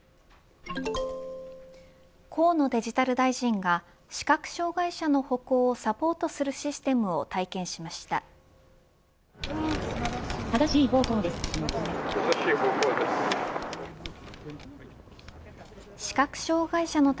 河野デジタル大臣が視覚障害者の歩行をサポートするシステムを体験しました。